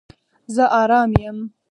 زه آرام یم